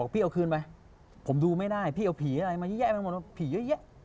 พี่เอาคืนไปผมดูไม่ได้พี่เอาผีอะไรมาเยอะแยะไปหมดผีเยอะแยะ